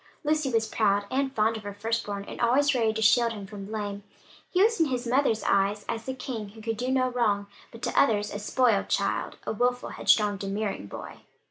Lucy was proud and fond of her first born, and always ready to shield him from blame. He was in his mother's eyes as the king, who could do no wrong, but to others a spoiled child, a wilful, headstrong, domineering boy.